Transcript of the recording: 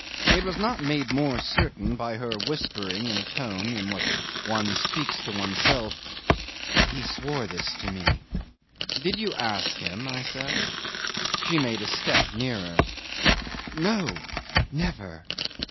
It was not made more certain by her whispering in a tone in which one speaks to oneself, "He swore this to me." "Did you ask him?" I said. 'She made a step nearer. "No. Never!"